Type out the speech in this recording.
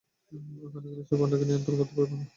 ওখানে গেলে সে পান্ডাকে নিয়ন্ত্রণ করতে পারবে না।